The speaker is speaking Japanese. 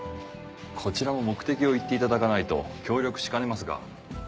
こちらも目的を言っていただかないと協力しかねますが。